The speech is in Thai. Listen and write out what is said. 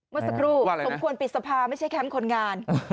เมื่อสักครู่สมควรปิดสภาไม่ใช่แคมป์คนงาน